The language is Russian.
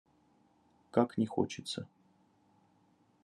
Как не хочется.